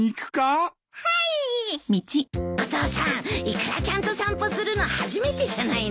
お父さんイクラちゃんと散歩するの初めてじゃないの。